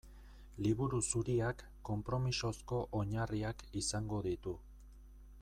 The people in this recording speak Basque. Liburu Zuriak konpromisozko oinarriak izango ditu.